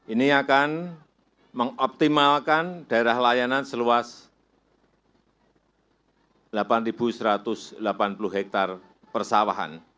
ini akan mengoptimalkan daerah layanan seluas delapan satu ratus delapan puluh hektare persawahan